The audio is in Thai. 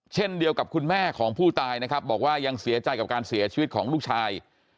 เช่นเดียวกับคุณแม่ของผู้ตายนะครับบอกว่ายังเสียใจกับการเสียชีวิตของลูกชาย